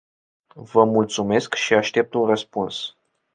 Vă mulțumesc și aștept un răspuns.